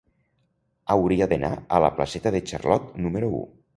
Hauria d'anar a la placeta de Charlot número u.